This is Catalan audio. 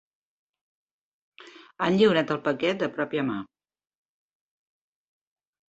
Han lliurat el paquet de pròpia mà.